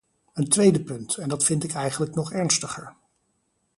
Een tweede punt, en dat vind ik eigenlijk nog ernstiger.